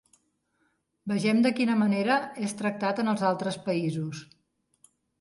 Vegem de quina manera és tractat en els altres països.